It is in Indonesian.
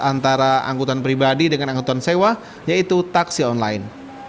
antara angkutan pribadi dengan angkutan sewa yaitu taksi online